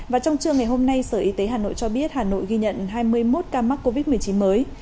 và trong trưa ngày hôm nay sở y tế hà nội cho biết hà nội ghi nhận hai mươi một ca mắc covid một mươi chín mới